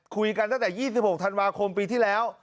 คุยกันตั้งแต่๒๖ธันวาคมปีที่แล้ว